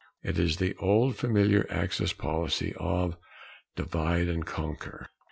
It is the old familiar Axis policy of "divide and conquer."